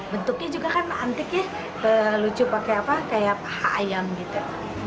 bentuknya juga kan antik ya lucu pakai apa kayak paha ayam gitu